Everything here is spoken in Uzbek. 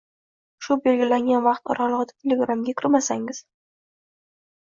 Shu belgilangan vaqt oralig’ida Telegramga kirmasangiz